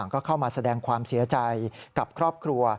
ก็เข้ามาแสดงความเสียใจกับครอบครัว